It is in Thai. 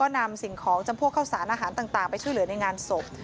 นำสิ่งของจำพวกข้าวสารอาหารต่างไปช่วยเหลือในงานศพ